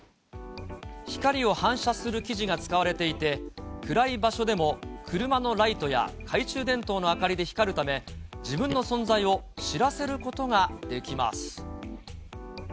光を反射する生地が使われていて、暗い場所でも車のライトや懐中電灯の明かりで光るため、自分の存在を知らせることができます。